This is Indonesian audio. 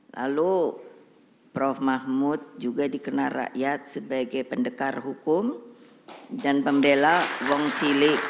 lalu prof mahmud juga dikenal rakyat sebagai pendekar hukum dan pembela wong cili